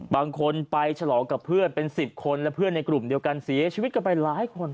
บางคนไปฉลองกับเพื่อนเป็น๑๐คนและเพื่อนในกลุ่มเดียวกันเสียชีวิตกันไปหลายคน